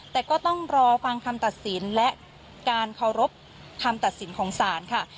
แต่ก็ต้องรอฟังคำตัดสินและการเคารพคำตัดสินของศาลค่ะ